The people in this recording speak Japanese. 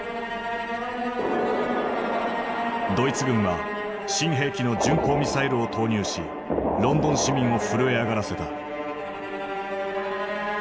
ドイツ軍は新兵器の巡航ミサイルを投入しロンドン市民を震え上がらせた。